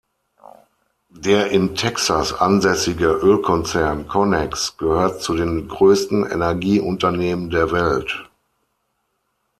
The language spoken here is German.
Der in Texas ansässige Ölkonzern "Connex" gehört zu den größten Energieunternehmen der Welt.